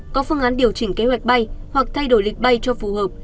có phương án điều chỉnh kế hoạch bay hoặc thay đổi lịch bay cho phù hợp